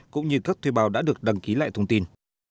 cũng như các thuê bao đã được đăng ký lại thông tin